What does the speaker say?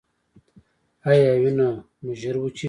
ایا وینه مو ژر وچیږي؟